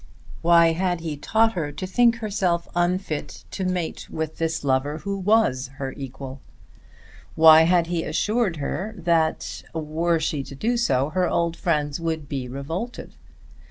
Why had he taught her to think herself unfit to mate with this lover who was her equal? Why had he assured her that were she to do so her old friends would be revolted?